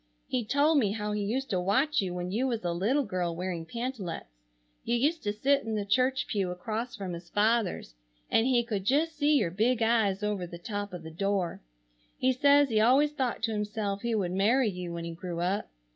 He told me how he used to watch you when you was a little girl wearing pantalettes. You used to sit in the church pew across from his father's and he could just see your big eyes over the top of the door. He says he always thought to himself he would marry you when he grew up.